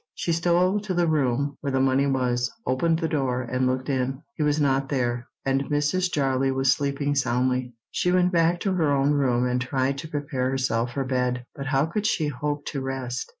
She stole to the room where the money was, opened the door, and looked in. He was not there, and Mrs. Jarley was sleeping soundly. She went back to her own room, and tried to prepare herself for bed. But how could she hope to rest?